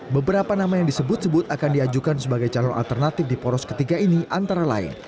beberapa nama yang disebut sebut akan diajukan sebagai calon alternatif di poros ketiga ini antara lain